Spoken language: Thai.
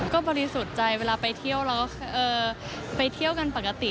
ก็บริสุทธิ์ใจเวลาไปเที่ยวกันปกติ